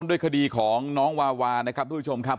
ด้วยคดีของน้องวาวานะครับทุกผู้ชมครับ